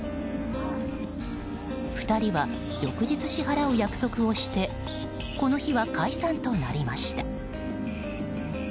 ２人は翌日支払う約束をしてこの日は解散となりました。